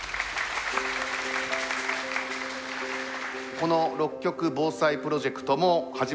この６局防災プロジェクトも始まって３年。